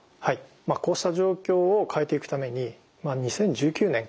こうした状況を変えていくために２０１９年からですね